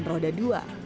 dia menggunakan roda dua